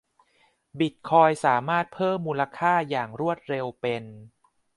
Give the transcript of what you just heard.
บิตคอยน์สามารถเพิ่มมูลค่าอย่างรวดเร็วเป็น